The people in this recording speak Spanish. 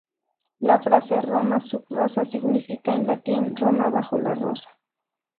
La frase "Roma Sub Rosa" significa, en latín, "Roma bajo la rosa".